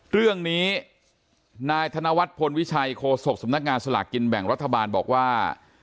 เรื่องนี้นายธนวัฒนพลวิชัยโฆษกสำนักงานสลากกินแบ่งรัฐบาลบอกว่า